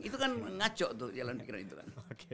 itu kan mengacau tuh jalan pikiran itu kan